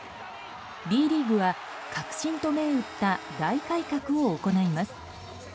Ｂリーグは革新と銘打った大改革を行います。